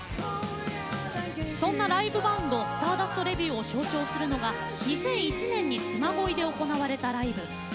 そんなライブバンドスターダストレビューを象徴するのが、２００１年につま恋で行われたライブ。